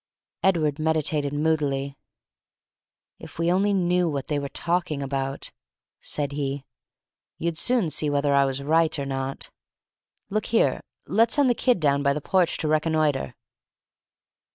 Edward mediated moodily. "If we only knew what they were talking about," said he, "you'd soon see whether I was right or not. Look here! Let's send the kid down by the porch to reconnoitre!"